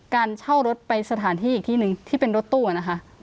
การเช่ารถไปสถานที่อีกที่หนึ่งที่เป็นรถตู้นะคะ